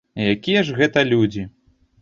Якія ж гэта людзі?!